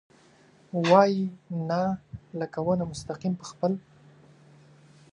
وايي ، نه ، لکه ونه مستقیم په خپل ...